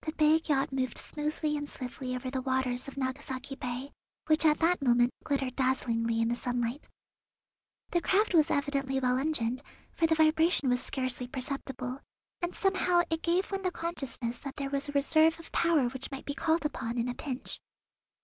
The big yacht moved smoothly and swiftly over the waters of Nagasaki Bay, which at that moment glittered dazzlingly in the sunlight. The craft was evidently well engined, for the vibration was scarcely perceptible, and somehow it gave one the consciousness that there was a reserve of power which might be called upon in a pinch.